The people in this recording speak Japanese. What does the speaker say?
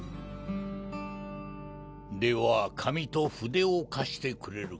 では紙と筆を貸してくれるか？